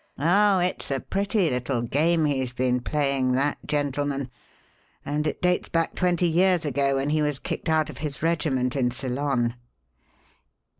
"Oh, it's a pretty little game he's been playing, that gentleman, and it dates back twenty years ago when he was kicked out of his regiment in Ceylon."